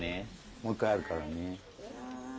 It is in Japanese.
もう一回あるからね。